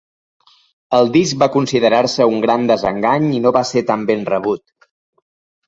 El disc va considerar-se un "gran desengany" i no va ser tan ben rebut.